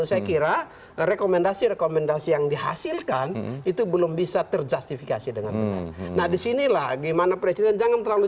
saya kira rekomendasi rekomendasi yang dihasilkan itu belum bisa terjustifikasi dengan benar nah di